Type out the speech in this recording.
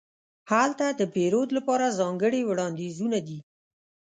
هلته د پیرود لپاره ځانګړې وړاندیزونه دي.